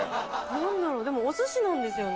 何だろうでもお寿司なんですよね